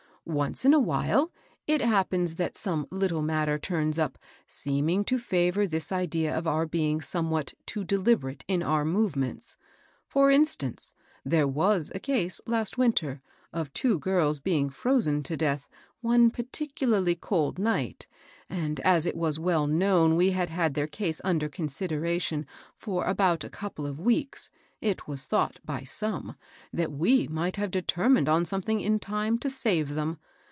Once in a while, it happens that some little matter turns up seeming to fevor this idea of our being somewhat too deliberate in our movements. For instance^ there was a case, last winter, of two girls being frozen to death one particularly cold night ; and as it was well known we had had their case under consideration for about a couple of weeks, it was thought, by some, that we might have determined on something in time to save them.